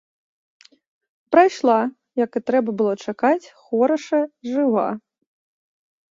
Прайшла, як і трэба было чакаць, хораша, жыва.